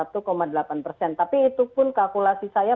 tapi itu pun kalkulasi saya